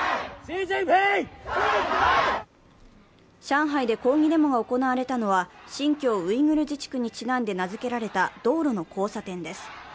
上海で抗議デモが行われたのは新疆ウイグル自治区にちなんで名づけられた道路の交差点です。